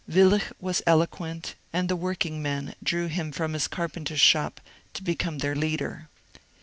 Willich was eloquent, and the work ingmen drew him from his carpenter's shop to become their leader.